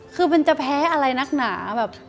คือมันจะแพ้อะไรนักหนาแบบ